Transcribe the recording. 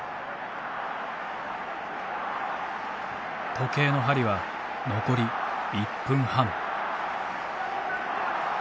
時計の針は残り１分半。